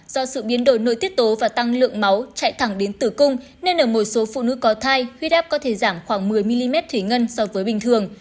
do sự biến đổi nội tiết tố và tăng lượng máu chạy thẳng đến tử cung nên ở một số phụ nữ có thai huyết áp có thể giảm khoảng một mươi mm thủy ngân so với bình thường